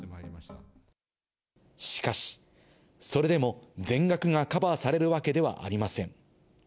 しかし、それでも全額がカバーされるわけではありません。